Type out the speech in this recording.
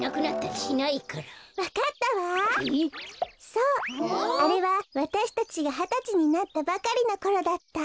そうあれはわたしたちがはたちになったばかりのころだった。